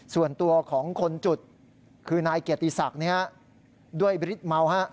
ส่วนตัวของคนจุดคือนายเกียรติศักดิ์ด้วยฤทธิเมาฮะ